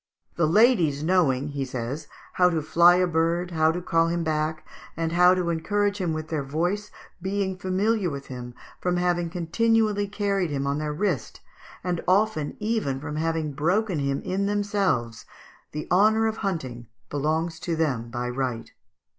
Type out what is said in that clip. "The ladies knowing," he says, "how to fly a bird, how to call him back, and how to encourage him with their voice, being familiar with him from having continually carried him on their wrist, and often even from having broken him in themselves, the honour of hunting belongs to them by right.